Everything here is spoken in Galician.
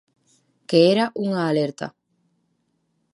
Que era unha alerta.